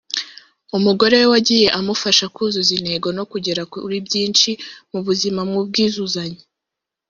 umugore we wagiye amufasha kuzuza intego no kugera kuri byinshi mu buzima mu bwizuzanye